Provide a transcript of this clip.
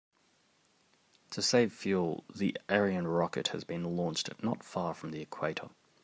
To save fuel, the Ariane rocket has been launched not far from the equator.